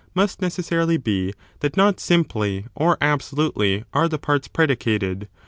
must necessarily be, that not simply or absolutely are the parts predicated.